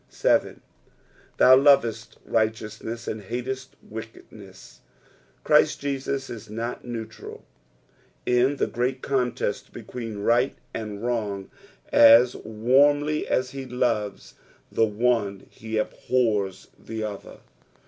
7. "T/wu Itmeil righteaugnets, and hatett vicktdnett," Christ Jesus is not neutral in the great contest butween right and wrung ; tis warmly as ho loves the one he abhurs the other.